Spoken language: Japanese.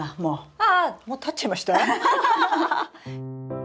ああもうたっちゃいました？